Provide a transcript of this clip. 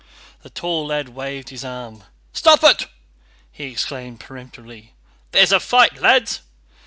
The tall lad waved his arm. "Stop it!" he exclaimed peremptorily. "There's a fight, lads!"